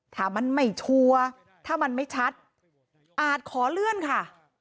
ถ้ามันไม่ชัวร์ถ้ามันไม่ชัดอาจขอเลื่อนค่ะ